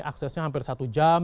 aksesnya hampir satu jam